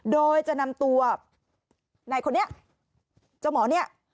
โดยจะนำตัวในคนนี้เจ้าหมอเนี่ย